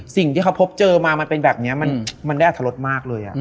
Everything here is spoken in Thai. สิ่งที่เขาพบเจอมามันเป็นแบบนี้มันได้อัธรสมากเลย